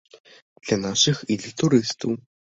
Для нашых і для турыстаў.